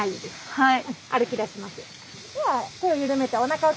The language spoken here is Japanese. はい。